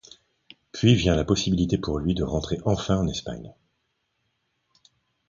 Puis vient la possibilité pour lui de rentrer enfin en Espagne…